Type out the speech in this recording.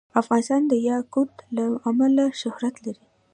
افغانستان د یاقوت له امله شهرت لري.